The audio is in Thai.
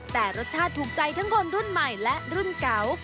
แต่รสชาติถูกใจทั้งคนรุ่นใหม่และรุ่นเก่า